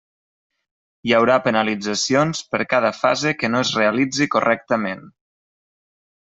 Hi haurà penalitzacions per cada fase que no es realitzi correctament.